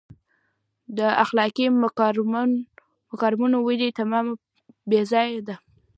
د اخلاقي مکارمو ودې تمه بې ځایه ده.